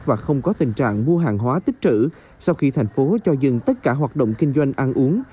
và không có tình trạng mua hàng hóa tích trữ sau khi thành phố cho dừng tất cả hoạt động kinh doanh ăn uống